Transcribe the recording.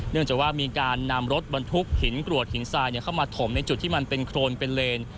เนื่องจากว่ามีการนำรถบรรทุกหินกรวดหินทรายเข้ามาถมในจุดที่มันเป็นโครนเป็นเลน